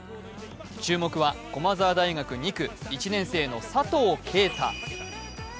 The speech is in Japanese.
注目は駒沢大学２区１年生の佐藤圭汰。